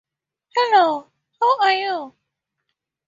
Hello, how are you?